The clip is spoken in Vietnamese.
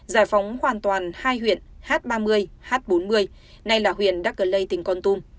giải phóng hoàn toàn hai huyện h ba mươi h bốn mươi nay là huyện đắc lê tỉnh con tôm